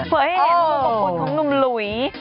เผื่อให้เห็นความปกปรุงของหนุ่มหลุย